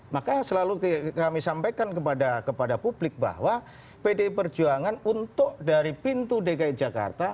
maka selalu kami sampaikan kepada publik bahwa pdi perjuangan untuk dari pintu dki jakarta